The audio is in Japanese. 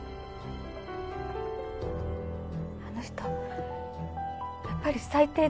あの人やっぱり最低でした。